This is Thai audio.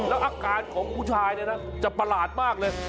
แล้วอาการของผู้ชายจะประหลาดมากเลย